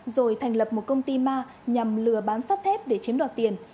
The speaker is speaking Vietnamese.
rồi thành lập một công ty ma nhằm lừa bán sắt thép để chiếm đoạt tiền